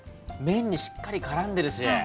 麺にしっかりからんでるし。